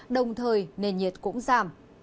đồng thời nền nhiệt cũng giảm